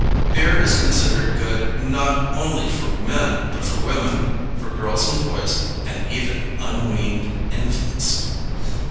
Beer is considered good not only for men, but for women, for girls and boys, and even unweaned infants.